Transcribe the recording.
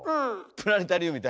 プラネタリウムみたいな。